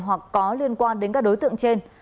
hoặc có liên quan đến các đối tượng trên